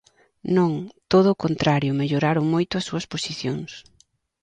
Non, todo o contrario melloraron moito as súas posicións.